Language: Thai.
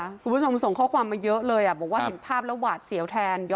คุณผู้ชมส่งข้อความมาเยอะเลยบอกว่าเห็นภาพแล้วหวาดเสียวแทน